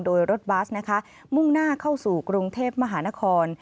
โดยรถบัสนะคะมุ่งหน้าเข้าสู่กรุงเทพมหานคร